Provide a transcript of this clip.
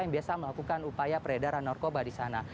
yang biasa melakukan upaya peredaran narkoba di sana